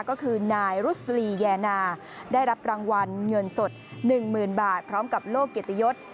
ก็คือนายรุษลีแยนาได้รับรางวัลเงินสด๑๐๐๐บาทพร้อมกับโลกเกียรติยศ